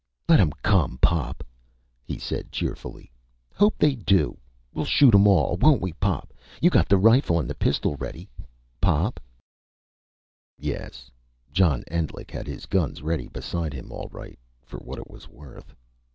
"Let 'em come, Pop," he said cheerfully. "Hope they do. We'll shoot 'em all. Won't we, pop? You got the rifle and the pistol ready, Pop...." Yes, John Endlich had his guns ready beside him, all right for what it was worth.